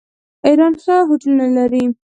ایران ښه هوټلونه لري.